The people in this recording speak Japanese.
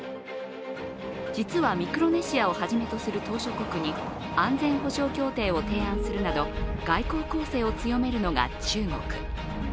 実はミクロネシアをはじめとする島しょ国に安全保障協定を提案するなど外交攻勢を強めるのが中国。